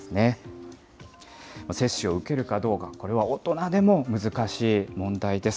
接種を受けるかどうか、これは大人でも難しい問題です。